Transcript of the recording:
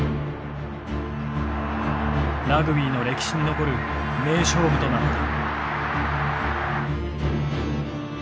ラグビーの歴史に残る名勝負となった。